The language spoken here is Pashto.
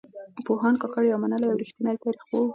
پوهاند کاکړ يو منلی او رښتينی تاريخ پوه و.